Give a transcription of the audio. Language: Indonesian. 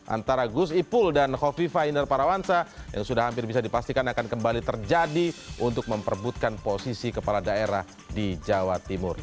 antara gus ipul dan hovifa indar parawansa yang sudah hampir bisa dipastikan akan kembali terjadi untuk memperbutkan posisi kepala daerah di jawa timur